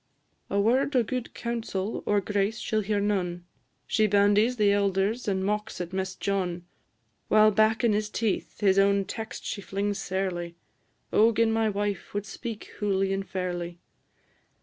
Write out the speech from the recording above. A word o' gude counsel or grace she 'll hear none; She bandies the elders, and mocks at Mess John; While back in his teeth his own text she flings sairly. O gin my wife wad speak hooly and fairly!